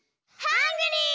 ハングリー！